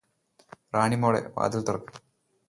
റാണി മോളെ വാതിൽ തുറക്ക്